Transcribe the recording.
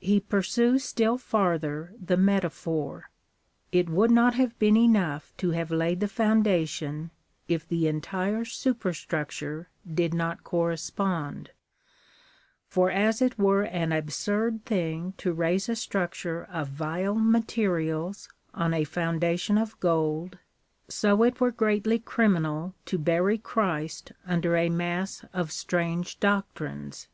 He pursues still farther the metaphor. It would not have been enough to have laid the foundation if the entire superstructure did not correspond ; for as it were an absurd thing to raise a structure of vile materials on a foundation of gold, so it were greatly criminal to bury Christ under a mass of strange doctrines.